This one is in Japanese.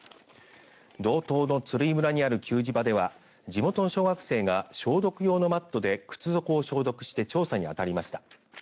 道東の鶴居村にある給餌場では地元の小学生が消毒用のマットで靴底を消毒して調査に当たりました。